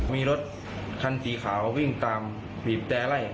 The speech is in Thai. มีรถคันสีขาววิ่งตามบีบแต่ไล่